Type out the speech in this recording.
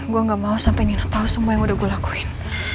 gue gak mau sampai mina tahu semua yang udah gue lakuin